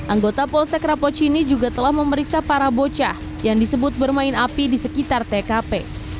anggota polsek rapocini juga telah memeriksa para bocah yang disebut bermain api di sekitar tkp